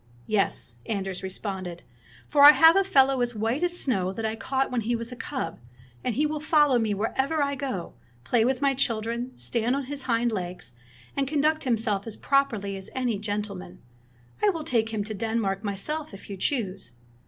"Yes," Anders responded, "for I have a fellow as white as snow that I caught when he was a cub, and he will follow me where 14 Fairy Tale Bears ever I go, play with my children, stand on his hind legs, and conduct himseK as properly as any gentleman. I will take him to Denmark myself, if you choose."